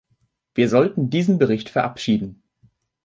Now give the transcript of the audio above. Wir sollten diesen Bericht verabschieden.